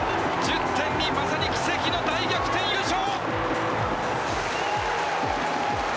１０・２まさに奇跡の逆転優勝。